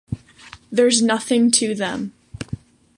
There's nothing to them!